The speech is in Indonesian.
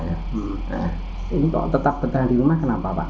ini tetap bertahan di rumah kenapa pak